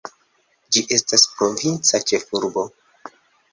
Ĝi estas provinca ĉefurbo.